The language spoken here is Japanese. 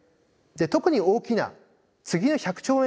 特に大きな次の１００兆円